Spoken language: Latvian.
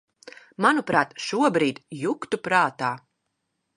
Manuprāt, šobrīd juktu prātā.